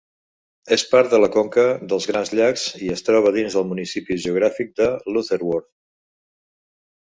És part de la conca dels Grans Llacs i es troba dins del municipi geogràfic de Lutterworth.